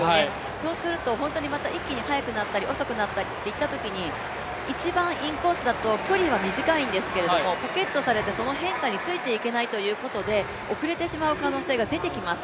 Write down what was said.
そうすると本当にまた一気に速くなったり遅くなったりといったときに、一番インコースだと、距離は短いんですけれども、ポケットされてその変化についていけないということで遅れてしまう可能性が出てきます。